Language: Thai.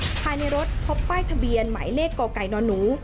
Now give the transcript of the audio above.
ภายในรถพบป้ายทะเบียนหมายเลขกไก่นอนหนู